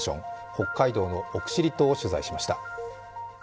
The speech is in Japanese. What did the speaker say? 北海道の奥尻島を取材しました。